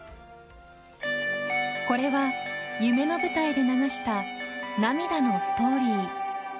これは夢の舞台で流した涙のストーリー。